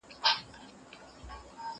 زه به سبا د هنرونو تمرين وکړم